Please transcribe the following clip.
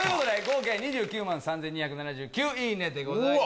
合計２９万３２７９いいねです。